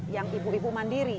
yang ibu ibu mandiri